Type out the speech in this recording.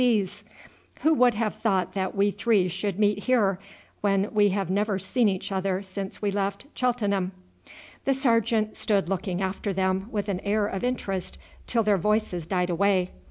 D.C.'s. Who would have thought that we three should meet here, when we have never seen each other since we left Cheltenham?" The sergeant stood looking after them with an air of interest till their voices died away.